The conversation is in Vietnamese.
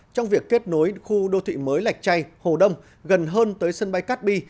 trong việc kết nối khu đô thị mới lạch chay hồ đông gần hơn tới sân bay cát bi